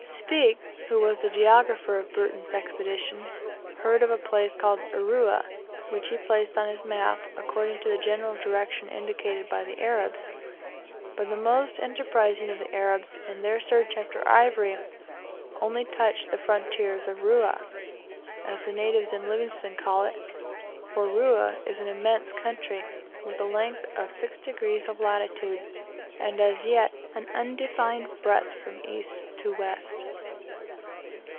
Speke, who was the geographer of Burton's Expedition, heard of a place called Urua, which he placed on his map, according to the general direction indicated by the Arabs; but the most enterprising of the Arabs, in their search after ivory, only touched the frontiers of Rua, as, the natives and Livingstone call it; for Rua is an immense country, with a length of six degrees of latitude, and as yet an undefined breadth from east to west.